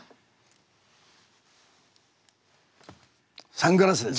「サングラス」です！